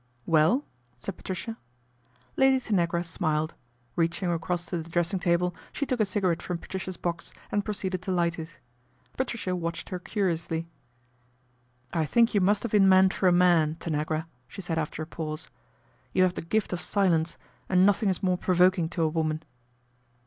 " Well !" said Patricia. Lady Tanagra smiled. Reaching across to the dressing table she took a cigarette from Patricia's box and proceeded to light it. Patricia watched her curiously. " I think you must have been meant for a man, Tanagra," she said after a pause. " You have the gift of silence, and nothing is more provoking to a woman."